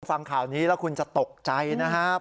ฟังข่าวนี้แล้วคุณจะตกใจนะครับ